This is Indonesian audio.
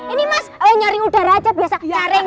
ini mas nyaring udara aja saring dua